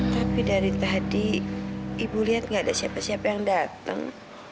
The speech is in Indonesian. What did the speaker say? tapi dari tadi ibu lihat nggak ada siapa siapa yang datang